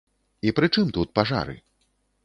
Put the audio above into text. І пры чым тут пажары?